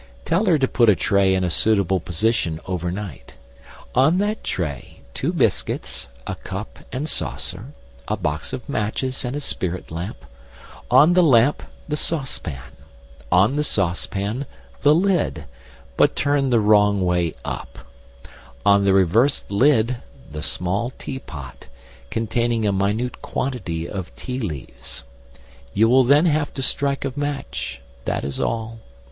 Tell her to put a tray in a suitable position over night. On that tray two biscuits, a cup and saucer, a box of matches and a spirit lamp; on the lamp, the saucepan; on the saucepan, the lid but turned the wrong way up; on the reversed lid, the small teapot, containing a minute quantity of tea leaves. You will then have to strike a match that is all.